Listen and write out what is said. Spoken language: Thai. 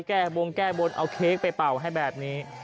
แก้บงแก้บนเอาเค้กไปเป่าให้แบบนี้